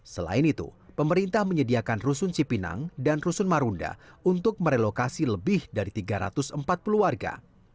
selain itu pemerintah menyediakan rusun cipinang dan rusun marunda untuk merelokasi lebih dari tiga ratus empat puluh warga